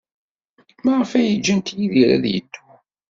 Maɣef ay ǧǧant Yidir ad yeddu?